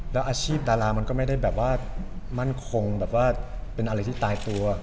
และอาชีพดารามันก็ไม่ได้มั่นคงเป็นอะไรที่ตายตัว